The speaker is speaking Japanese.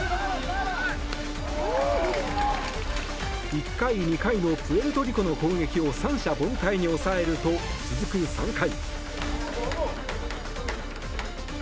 １回、２回のプエルトリコの攻撃を三者凡退に抑えると続く３回。